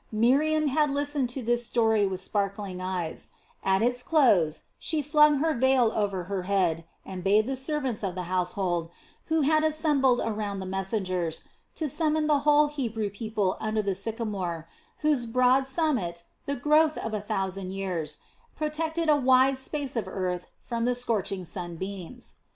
Miriam had listened to this story with sparkling eyes; at its close she flung her veil over her head and bade the servants of the household, who had assembled around the messengers, to summon the whole Hebrew people under the sycamore, whose broad summit, the growth of a thousand years, protected a wide space of earth from the scorching sunbeams.